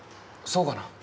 そうかな？